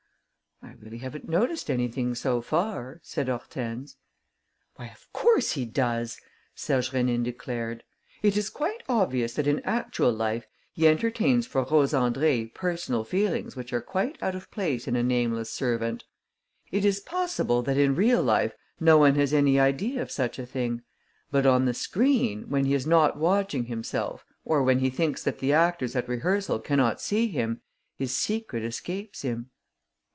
"I really haven't noticed anything, so far," said Hortense. "Why, of course he does!" Serge Rénine declared. "It is quite obvious that in actual life he entertains for Rose Andrée personal feelings which are quite out of place in a nameless servant. It is possible that, in real life, no one has any idea of such a thing; but, on the screen, when he is not watching himself, or when he thinks that the actors at rehearsal cannot see him, his secret escapes him.